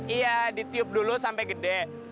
iya ditiup dulu sampai gede